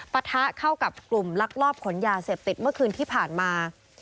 ปะทะเข้ากับกลุ่มลักลอบขนยาเสพติดเมื่อคืนที่ผ่านมา